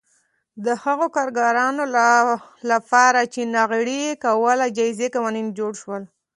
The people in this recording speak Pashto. د هغو کارګرانو لپاره چې ناغېړي یې کوله جزايي قوانین جوړ شول